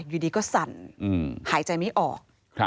อยู่ดีก็สั่นหายใจไม่ออก